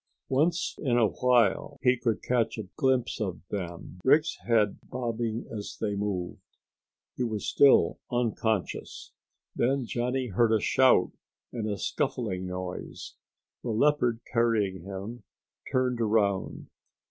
Once in a while he could catch a glimpse of them, Rick's head bobbing as they moved. He was still unconscious. Then Johnny heard a shout and a scuffling noise. The leopard carrying him turned around.